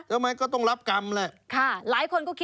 ทำไมก็ต้องรับกรรมแหละ